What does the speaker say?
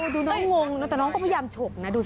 ดูน้องงงนะแต่น้องก็พยายามฉกนะดูสิ